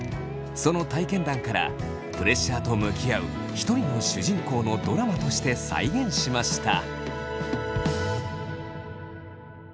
その体験談からプレッシャーと向き合う一人の主人公のドラマとして再現しました。